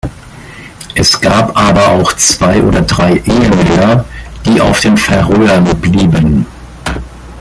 Es gab aber auch zwei oder drei Ehemänner, die auf den Färöern blieben.